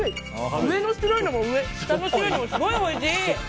上の白いのも下の白いのもすごいおいしい！